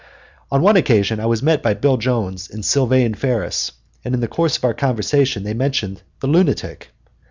On one occasion I was met by Bill Jones and Sylvane Ferris, and in the course of our conversation they mentioned "the lunatic."